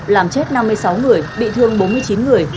làm chết năm mươi sáu người bị thương bốn mươi chín người